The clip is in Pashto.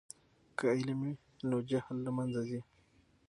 که علم وي نو جهل له منځه ځي.